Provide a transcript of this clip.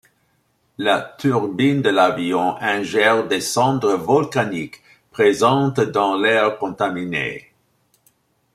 La turbine de l'avion ingère des cendres volcaniques présentes dans l'air contaminé.